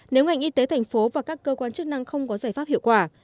nếu ngành y tế tp hcm và các cơ quan chức năng không có giải pháp hiệu quả